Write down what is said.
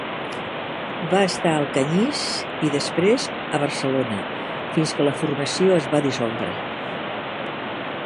Va estar a Alcanyís i, després, a Barcelona, fins que la formació es va dissoldre.